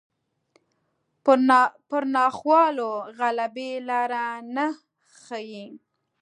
پر ناخوالو غلبې لاره نه ښيي